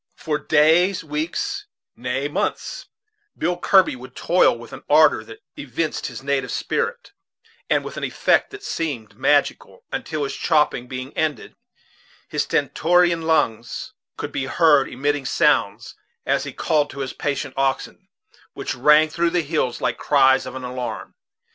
For days, weeks, nay months, Billy Kirby would toil with an ardor that evinced his native spirit, and with an effect that seemed magical, until, his chopping being ended, his stentorian lungs could be heard emitting sounds, as he called to his patient oxen, which rang through the hills like the cries of an alarm.